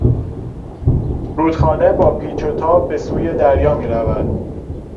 رودخانه با پیچ و تاب به سوی دریا میرود.